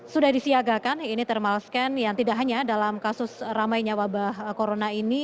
sudah disiagakan ini thermal scan yang tidak hanya dalam kasus ramainya wabah corona ini